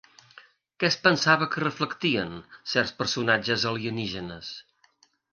Què es pensava que reflectien certs personatges alienígenes?